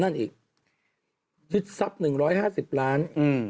นั่นอีกทฤษภัพธ์๑๕๐ล้าน